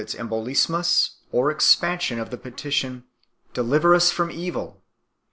381 Embolismus or expansion of the petition, " Deliver us from evil."